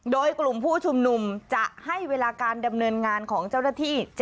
โดยกลุ่มผู้ชุมนุมจะให้เวลาการดำเนินงานของเจ้าหน้าที่